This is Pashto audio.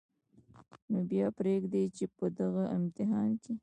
نو بیا پرېږدئ چې په دغه امتحان کې